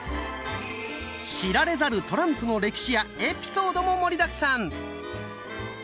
知られざるトランプの歴史やエピソードも盛りだくさん！